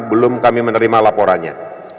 belum kami menerima laporannya